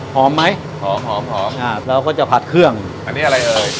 หอมไหมหอมหอมอ่าเราก็จะผัดเครื่องอันนี้อะไรเอ่ย